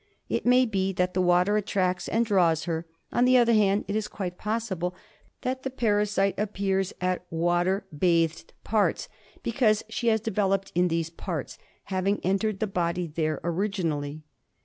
It may be that the water attracts and draws her. On the other hand it is quite possible that the parasite appears at water bathed parts because she has developed in these parts, having entered the body there originally.